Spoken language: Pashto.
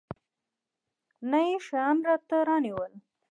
نه يې شيان راته رانيول.